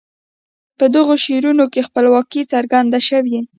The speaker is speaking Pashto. په دغو شعرونو کې خپلواکي څرګند شوي.